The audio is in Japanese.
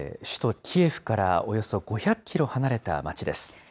首都キエフからおよそ５００キロ離れた街です。